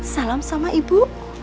salam sama ibu